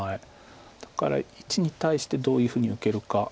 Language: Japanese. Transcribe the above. だから①に対してどういうふうに受けるか。